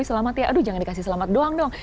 selamat ya aduh jangan dikasih selamat doang dong